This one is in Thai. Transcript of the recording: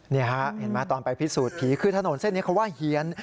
นี่ฮะเห็นไหมตอนไปพิสูจน์ผีคือถนนเส้นนี้เขาว่าเฮียน